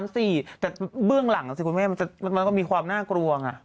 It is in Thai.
แต่เบื้องหลังมันก็มีความน่ากลวง